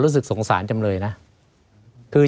ไม่มีครับไม่มีครับ